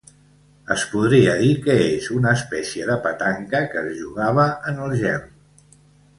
Es podria dir que és una espècie de petanca que es jugava en el gel.